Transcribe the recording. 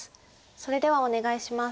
それではお願いします。